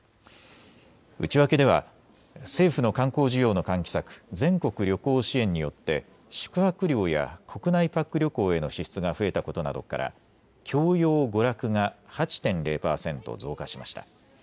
内訳では政府の観光需要の喚起策、全国旅行支援によって宿泊料や国内パック旅行への支出が増えたことなどから教養娯楽が８．０％増加しました。